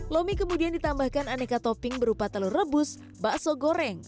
lomi kemudian ditambahkan aneka topping berupa telur rebus bakso goreng